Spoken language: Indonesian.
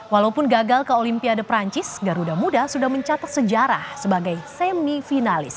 walaupun gagal ke olimpiade perancis garuda muda sudah mencatat sejarah sebagai semi finalis